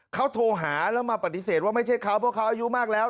เขาโทรหาแล้วมาปฏิเสธว่าไม่ใช่เขาเพราะเขาอายุมากแล้ว